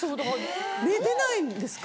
寝てないんですか？